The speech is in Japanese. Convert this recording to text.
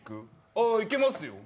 ああ、いけますよ。